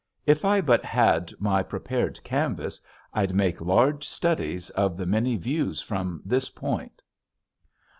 If I but had my prepared canvas I'd make large studies of the many views from this point.